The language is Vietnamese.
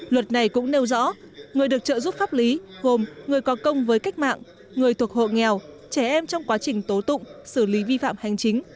luật này cũng nêu rõ người được trợ giúp pháp lý gồm người có công với cách mạng người thuộc hộ nghèo trẻ em trong quá trình tố tụng xử lý vi phạm hành chính